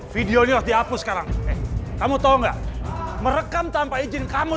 videonya dihapus sekarang kamu tahu enggak merekam tanpa izin kamu